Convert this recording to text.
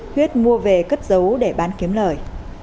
huyết mua về cất giấu để bán kiếm lời